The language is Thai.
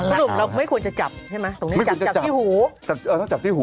สรุปเราไม่ควรจะจับใช่ไหมตรงเนี้ยจับจับที่หูแต่เราต้องจับที่หู